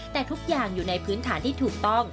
แต่ทุกอย่างอยู่ในพื้นฐานที่ถูกต้อง